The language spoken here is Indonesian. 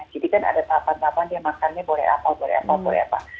jadi kan ada tahapan tahapan dia makannya boleh apa boleh apa boleh apa